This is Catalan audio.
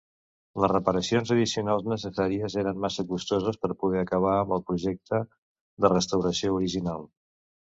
Les reparacions addicionals necessàries eren massa costoses per poder acabar amb el projecte de restauració original.